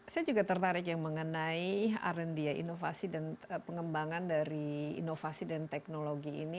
saya juga tertarik yang mengenai arendia inovasi dan pengembangan dari inovasi dan teknologi ini